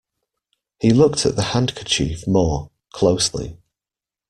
He looked at the handkerchief more, closely.